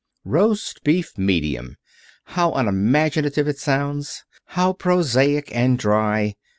Roast Beef, Medium! How unimaginative it sounds. How prosaic, and dry!